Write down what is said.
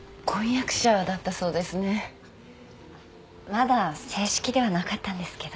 まだ正式ではなかったんですけど。